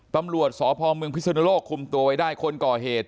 ตำรวจสพมพิสุนโลกคุมตัวไว้ได้คนก่อเหตุ